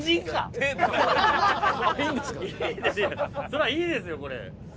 そりゃいいですよこれ。